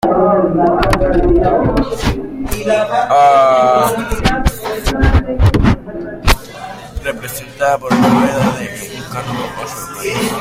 Representada por la rueda de un carro con ocho radios.